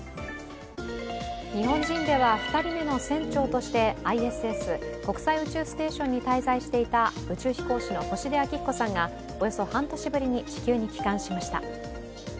日本人では２人目の船長としてＩＳＳ＝国際宇宙ステーションに滞在していた宇宙飛行士の星出彰彦さんがおよそ半年ぶりに地球に帰還しました。